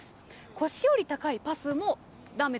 腰より高いパスもだめと。